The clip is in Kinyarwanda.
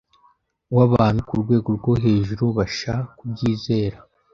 wabantu kurwego rwo hejurubasha kubyizera